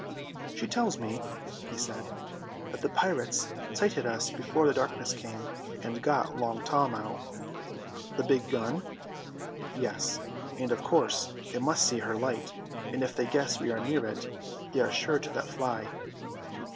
"She tells me," he said, "that the pirates sighted us before the darkness came, and got Long Tom out." "The big gun?" "Yes. And of course they must see her light, and if they guess we are near it they are sure to let fly."